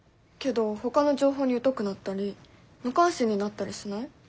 けどほかの情報に疎くなったり無関心になったりしない？